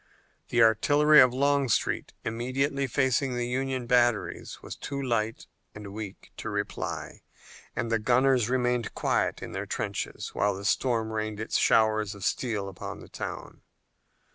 The artillery of Longstreet immediately facing the Union batteries was too light and weak to reply, and the gunners remained quiet in their trenches while the storm rained its showers of steel upon the town.